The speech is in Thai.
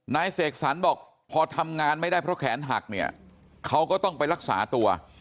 เสกสรรบอกพอทำงานไม่ได้เพราะแขนหักเนี่ยเขาก็ต้องไปรักษาตัว